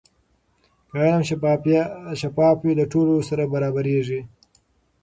که علم شفاف وي، د ټولو سره برابریږي.